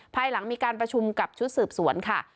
ภายหลังมีการประชุมกับชุดสืบสวนค่ะ